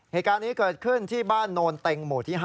เหตุการณ์นี้เกิดขึ้นที่บ้านโนนเต็งหมู่ที่๕